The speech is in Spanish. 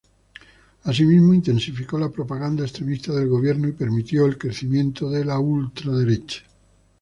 Asimismo, intensificó la propaganda extremista del Gobierno y permitió el crecimiento de la ultraderecha.